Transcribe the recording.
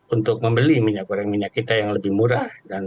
untuk membeli minyak goreng minyak kita yang lebih murah